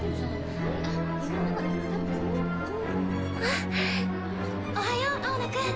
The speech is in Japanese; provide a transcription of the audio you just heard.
あっおはよう青野くん！